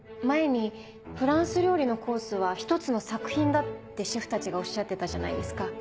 前に「フランス料理のコースは一つの作品だ」ってシェフたちがおっしゃってたじゃないですか。